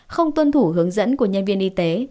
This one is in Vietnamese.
không tuân thủ hướng dẫn của nhân viên y tế